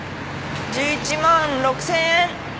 １１万６，０００円。